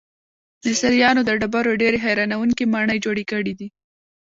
مصریانو د ډبرو ډیرې حیرانوونکې ماڼۍ جوړې کړې دي.